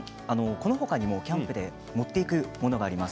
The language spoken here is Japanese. このほかにもキャンプで持っていくものがあります。